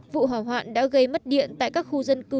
vụ hỏa hoạn đã gây mất điện tại các khu dân cư